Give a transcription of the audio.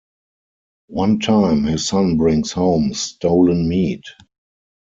One time, his son brings home stolen meat.